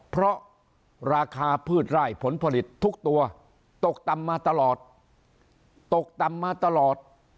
เพราะราคาพืชไร่ผลผลิตทุกตัวตกต่ำมาตลอดตกต่ำมาตลอด